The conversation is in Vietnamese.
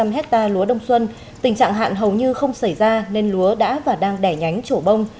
tám năm trăm linh hectare lúa đông xuân tình trạng hạn hầu như không xảy ra nên lúa đã và đang đẻ nhánh chỗ bông